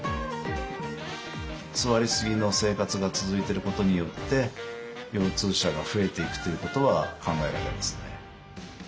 座りすぎの生活が続いてることによって腰痛者が増えていくということは考えられますね。